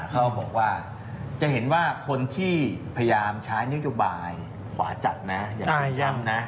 เขาบอกว่าจะเห็นว่าคนที่พยายามใช้นโยบายขวาจัดนะอย่างย่ำนะ